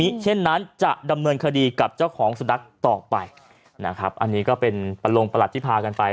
เช่นนั้นจะดำเนินคดีกับเจ้าของสุนัขต่อไปนะครับอันนี้ก็เป็นประลงประหลัดที่พากันไป